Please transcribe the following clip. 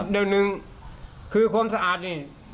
เดี๋ยวหนึ่งคือความสะอาดนี่